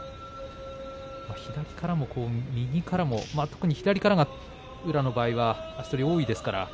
左からも右からも特に左からが宇良の場合は多いですから。